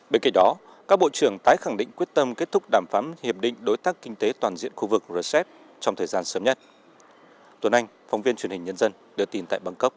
bên cạnh đó các bộ trưởng tái khẳng định quyết tâm kết thúc đàm phán hiệp định đối tác kinh tế toàn diện khu vực rcep trong thời gian sớm nhất